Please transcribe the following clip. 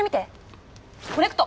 コネクト！